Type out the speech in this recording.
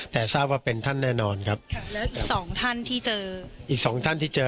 แต่ทราบว่าเป็นท่านแน่นอนครับแล้วอีกสองท่านที่เจอ